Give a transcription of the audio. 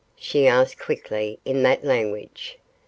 she asked quickly, in that language.